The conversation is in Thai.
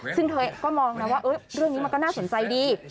ซึ่งเธอก็มองนะว่าเรื่องนี้มันก็น่าสนใจดี